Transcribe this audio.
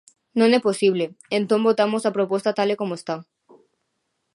Non é posible, entón votamos a proposta tal e como está.